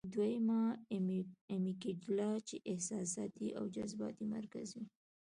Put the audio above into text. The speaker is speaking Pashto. دويمه امېګډېلا چې احساساتي او جذباتي مرکز وي -